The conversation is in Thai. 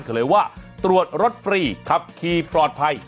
เขาเลยว่าตรวจรถฟรีครับคีย์ปลอดภัย